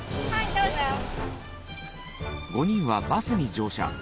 ５人はバスに乗車。